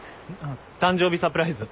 誕生日サプライズ。